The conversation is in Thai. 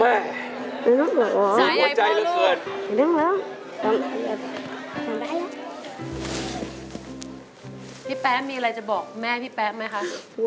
แป๊ะมีอะไรจะบอกแม่พี่แป๊ะไหมคะ